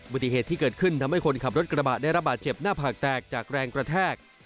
ปฏิเหตุที่เกิดขึ้นทำให้คนขับรถกระบะได้ระบาดเจ็บหน้าผากแตกจากแรงกระแทก